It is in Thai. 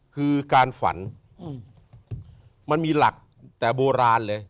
คือการฝันมันมีหลักแต่โบราณเลย